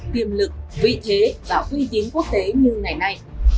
tiềm lực vị thế và uy tín quốc tế như ngày nay